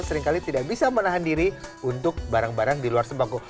seringkali tidak bisa menahan diri untuk barang barang di luar sembako